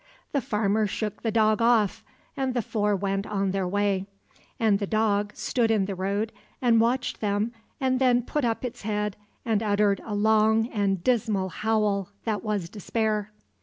The farmer shook the dog off, and the four went on their way; and the dog stood in the road and watched them and then put up its head and uttered a long and dismal howl that was despair.